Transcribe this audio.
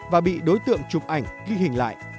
và bị đối tượng chụp ảnh ghi hình lại